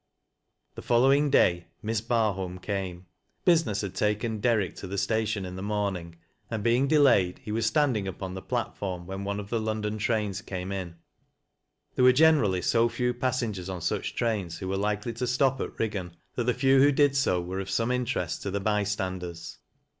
"LtZ."' 21 The following day Miss Barholm came. Business had taken Derrick to the statiwi in the morning, and being delayed, he was standing upon the platform when one of the London trains came in. There wei e generally so few passengers on such trains who were likely to stop at Eig gan, that the few who did so were of some interest to the bystanders.